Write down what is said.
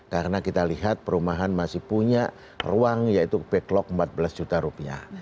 karena kita lihat perumahan masih punya ruang yaitu backlog empat belas juta rupiah